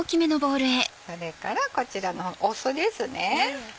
それからこちらの酢ですね。